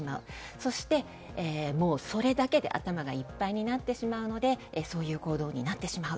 そして、もうそれだけで頭がいっぱいになってしまうのでそういう行動になってしまう。